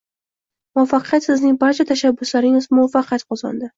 Muvaffaqiyat Sizning barcha tashabbuslaringiz muvaffaqiyat qozondi